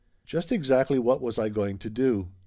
Just exactly what was I going to do?